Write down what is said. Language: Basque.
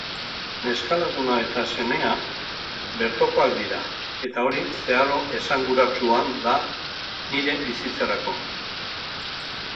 Neska-laguna eta semea bertokoak dira, eta hori zeharo esanguratsuan da nire bizitzarako.